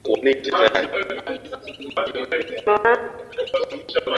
Ngozi iliyo katikati ya kwato huvimba na kugeuka nyekundu